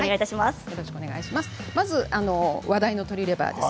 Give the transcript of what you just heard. まず話題の鶏レバーです。